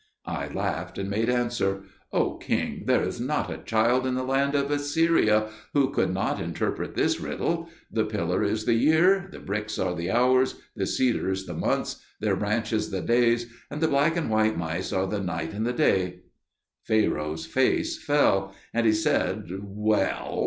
I laughed and made answer, "O king, there is not a child in the land of Assyria who could not interpret this riddle. The pillar is the year, the bricks are the hours, the cedars the months, their branches the days, and the black and white mice are the night and the day." Pharaoh's face fell, and he said, "Well.